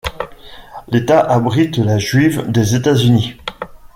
L'État abrite la juive des États-Unis.